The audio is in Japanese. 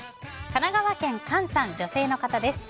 神奈川県の女性の方です。